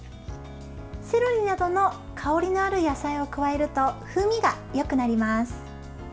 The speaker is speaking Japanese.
セロリなどの香りのある野菜を加えると風味がよくなります。